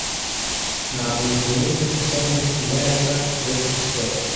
Ntamuntu numwe usa nkufite imbaraga zo kubikora.